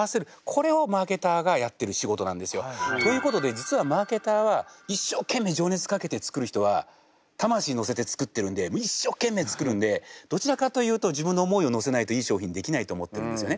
これをマーケターがやってる仕事なんですよ。ということで実はマーケターは一生懸命情熱かけて作る人は魂のせて作ってるんでもう一生懸命作るんでどちらかというと自分の思いをのせないといい商品できないと思ってるんですよね。